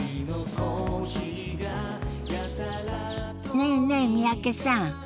ねえねえ三宅さん。